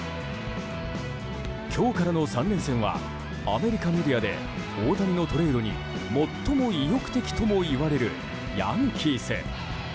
今日からの３連戦はアメリカメディアで大谷のトレードに最も意欲的ともいわれるヤンキース。